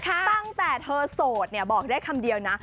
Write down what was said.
ตั้งแต่เธอโสดเนี่ยบอกได้คำเดียวนะ